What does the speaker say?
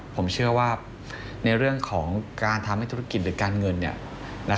ผมเชื่อว่าในเรื่องของการทำให้ธุรกิจหรือการเงิน